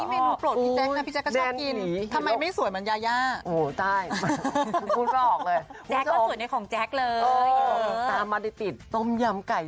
อันนี้เมนูโปรดพี่แจ๊กนะพี่แจ๊กก็ชอบกิน